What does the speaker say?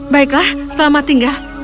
baiklah selamat tinggal